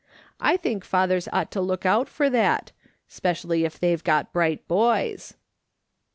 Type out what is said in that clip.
I think fathers ought to look out for tliat ; specially if they've got bright boys."